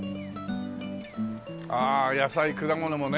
ああ野菜果物もね